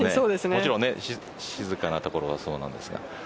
もちろん静かなところもそうなんですが。